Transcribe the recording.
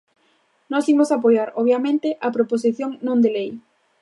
Nós imos apoiar, obviamente, a proposición non de lei.